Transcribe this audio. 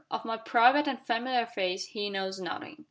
Of my private and family affairs he knows nothing."